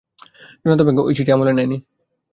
জনতা Bank ওই চিঠি আমলে নেয়নি।